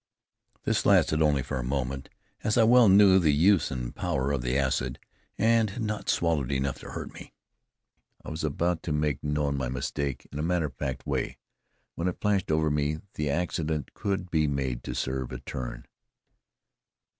This lasted only for a moment, as I well knew the use and power of the acid, and had not swallowed enough to hurt me. I was about to make known my mistake in a matter of fact way, when it flashed over me the accident could be made to serve a turn.